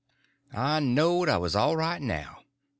I knowed I was all right now.